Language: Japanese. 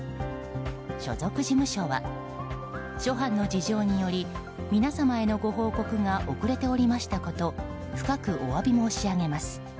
所属事務所は諸般の事情により皆様へのご報告が遅れておりましたこと深くお詫び申し上げます。